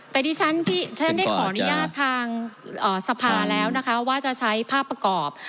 แต่ที่ฉันได้ขออนุญาตทางสภาแล้วนะคะว่าจะใช้ภาพประกอบ